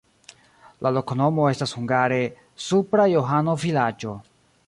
La loknomo estas hungare: supra-Johano-vilaĝo.